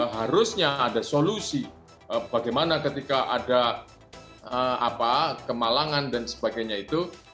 harusnya ada solusi bagaimana ketika ada kemalangan dan sebagainya itu